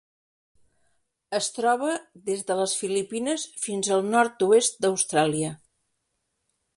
Es troba des de les Filipines fins al nord-oest d'Austràlia.